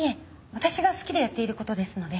私が好きでやっていることですので。